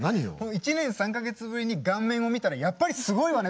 １年３か月ぶりに顔面を見たらやっぱりすごいわね！